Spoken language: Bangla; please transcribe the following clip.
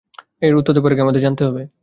এর উত্তর দেবার আগে আমাদের জানতে হবে।